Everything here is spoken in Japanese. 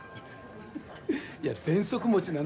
いやぜんそく持ちなのよ